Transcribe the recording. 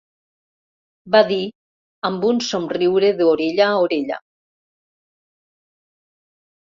Va dir, amb un somriure d'orella a orella—.